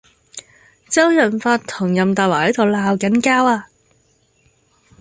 周潤發同任達華喺度鬧緊交呀